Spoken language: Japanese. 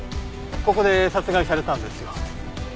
ここで殺害されたんですよ。